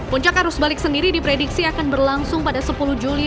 puncak arus balik sendiri diprediksi akan berlangsung pada sepuluh juli